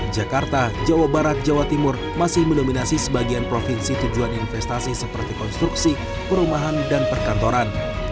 jakarta jawa barat jawa timur masih mendominasi sebagian provinsi tujuan investasi seperti konstruksi perumahan dan perkantoran